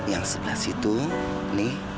yang sebelah situ ini